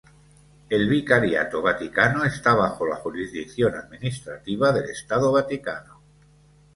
El Vicariato vaticano está bajo la jurisdicción administrativa del Estado vaticano.